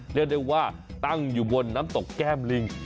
เรียกได้ว่าตั้งอยู่บนน้ำตกแก้มลิง